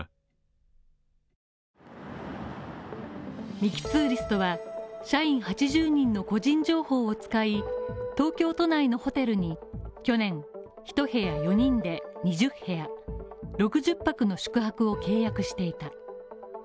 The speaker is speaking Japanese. ミキ・ツーリストは社員８０人の個人情報を使い、東京都内のホテルに去年一部屋４人で２０部屋６０泊の宿泊を契約していた。